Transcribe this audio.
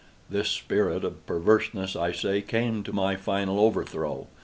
This spirit of perverseness, I say, came to my final overthrow.